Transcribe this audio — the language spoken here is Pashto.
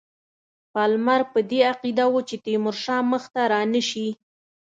پالمر په دې عقیده وو چې تیمورشاه مخته رانه سي.